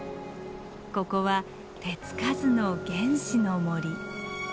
ここは手付かずの原始の森。